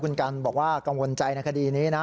คุณกันบอกว่ากังวลใจในคดีนี้นะ